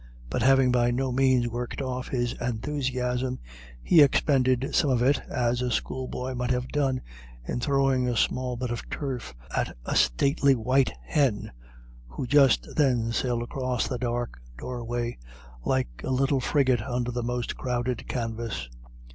But having by no means worked off his enthusiasm, he expended some of it, as a schoolboy might have done, in throwing a small bit of turf at a stately white hen, who just then sailed across the dark doorway, like a little frigate under the most crowded canvas.